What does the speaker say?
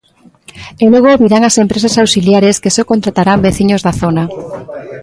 E logo virán as empresas auxiliares que só contratarán veciños da zona.